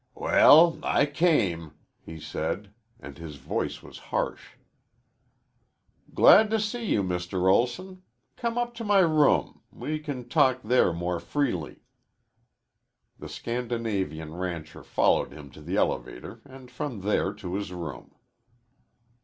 "Well, I came," he said, and his voice was harsh. "Glad to see you, Mr. Olson. Come up to my room. We can talk there more freely." The Scandinavian rancher followed him to the elevator and from there to his room.